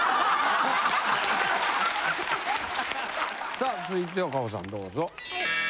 さあ続いては果歩さんどうぞ。